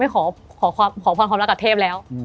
ขอพรความรักกับเทพแล้ว